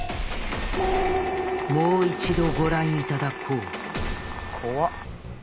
もう一度ご覧いただこう怖っ。